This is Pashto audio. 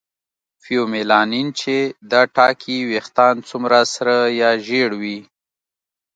فیومیلانین چې دا ټاکي ویښتان څومره سره یا ژېړ وي.